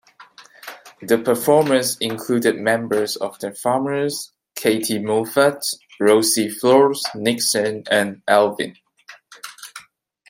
The performers included members of the Farmers, Katy Moffatt, Rosie Flores, Nixon, and Alvin.